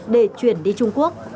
để chuyển đi trung quốc